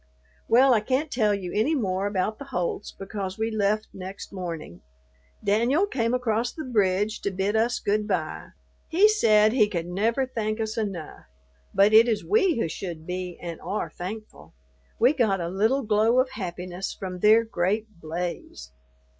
Well, I can't tell you any more about the Holts because we left next morning. Danyul came across the bridge to bid us good bye. He said he could never thank us enough, but it is we who should be and are thankful. We got a little glow of happiness from their great blaze.